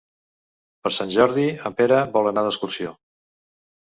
Per Sant Jordi en Pere vol anar d'excursió.